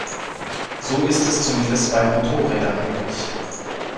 So ist es zumindest bei Motorrädern üblich.